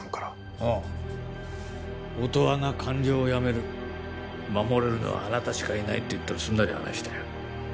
ああ音羽が官僚を辞める守れるのはあなたしかいないって言ったらすんなり話したよ